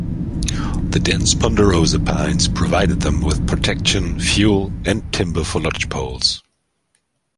The dense Ponderosa Pines provided them with protection, fuel, and timber for lodgepoles.